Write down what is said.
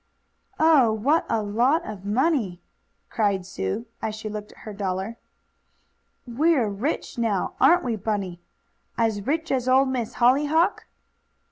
"Oh, what a lot of money!" cried Sue, as she looked at her dollar. "We're rich now; aren't we, Bunny? As rich as Old Miss Hollyhock?"